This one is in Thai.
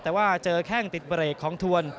แต่ว่าเจอแข้งติดเบรกของทวน